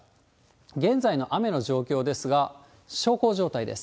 現在の雨の状況ですが、小康状態です。